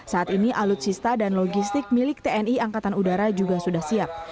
saat ini alutsista dan logistik milik tni angkatan udara juga sudah siap